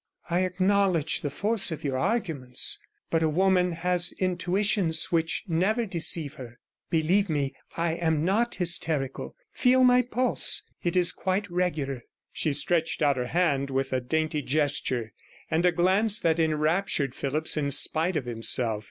I acknowledge the force of your arguments, but a woman has intuitions which never deceive her. Believe me, I am not hysterical; feel my pulse, it is quite regular.' She stretched out her hand with a dainty gesture, and a glance that enraptured Phillipps in spite of himself.